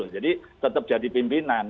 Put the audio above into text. jadi tetap jadi pimpinan